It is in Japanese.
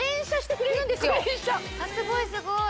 すごいすごい！